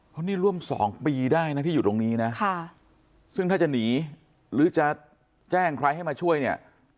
เพราะนี่ร่วม๒ปีได้นะที่อยู่ตรงนี้นะซึ่งถ้าจะหนีหรือจะแจ้งใครให้มาช่วยเนี่ย